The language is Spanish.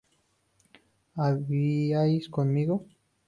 ¿habíais comido?